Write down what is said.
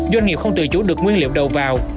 doanh nghiệp không tự chủ được nguyên liệu đầu vào